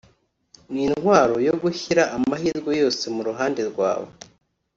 ni intwaro yo gushyira amahirwe yose mu ruhande rwawe